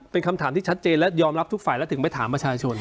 เป็นคำถามที่ชัดเจนและยอมรับทุกฝ่ายแล้วถึงไปถามประชาชน